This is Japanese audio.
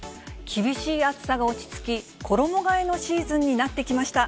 厳しい暑さが落ち着き、衣がえのシーズンになってきました。